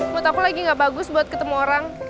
menurut aku lagi gak bagus buat ketemu orang